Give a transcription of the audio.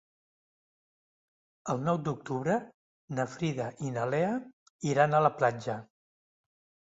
El nou d'octubre na Frida i na Lea iran a la platja.